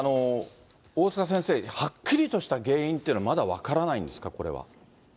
大塚先生、はっきりとした原因というのは、まだ分からないんですか、これは。